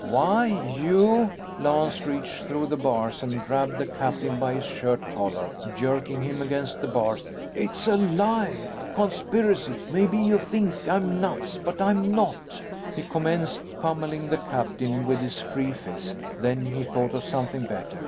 "Why, you " Lance reached through the bars and grabbed the captain by his shirt collar, jerking him against the bars. "It's a lie! A conspiracy! Maybe you think I'm nuts. But I'm not!" He commenced pummeling the captain with his free fist. Then he thought of something better.